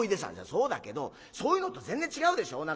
「そうだけどそういうのと全然違うでしょ？